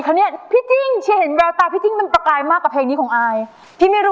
ก็แค่เพียงนาทีเดียวก็ยอมก็ยอม